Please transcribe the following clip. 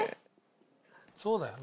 そうだよね。